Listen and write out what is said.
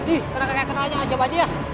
ih kena kaya kenalnya aja baju ya